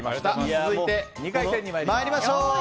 続いて２回戦に参ります。